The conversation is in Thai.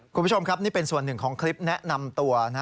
คุณผู้ชมครับนี่เป็นส่วนหนึ่งของคลิปแนะนำตัว